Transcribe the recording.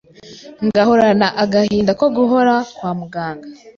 ngahorana agahinda ko guhora kwa muganga